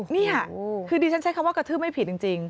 นี่ค่ะคือดิฉันใช้คำว่ากระทืบไม่ผิดจริง